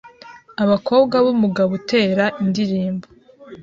Abakobwa bumugabo utera Indirimbo